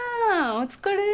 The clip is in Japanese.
お疲れ。